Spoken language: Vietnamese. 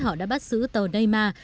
họ đã bắt giữ tàu neymar